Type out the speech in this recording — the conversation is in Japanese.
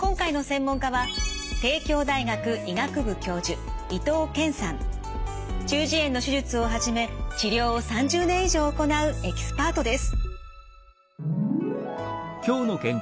今回の専門家は中耳炎の手術をはじめ治療を３０年以上行うエキスパートです。